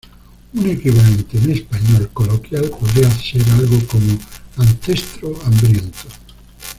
Un equivalente en español coloquial podría ser algo como "ancestro hambriento.